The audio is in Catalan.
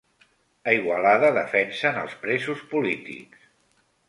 A Igualada defensen els presos polítics